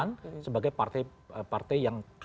pan sebagai partai yang kanan sekali kan kira kira gitu ya